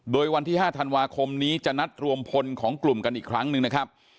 โดยวันที่๕ธันวาคมนี้จะนัดรวมพลของกลุ่มกันอีกครั้งหนึ่งนะครับ